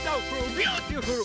ビューティフル！